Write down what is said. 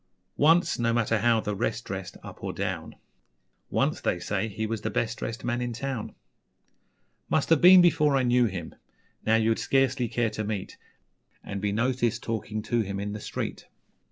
Once no matter how the rest dressed Up or down Once, they say, he was the best dressed Man in town. Must have been before I knew him Now you'd scarcely care to meet And be noticed talking to him In the street.